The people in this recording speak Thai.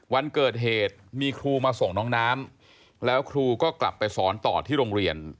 วันเกิดเหตุมีครูมาส่งน้องน้ำแล้วครูก็กลับไปสอนต่อที่โรงเรียน